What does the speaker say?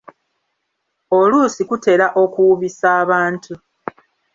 Oluusi kutera okuwubisa abantu.